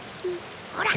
ほら。